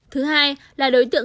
thứ hai là đối tượng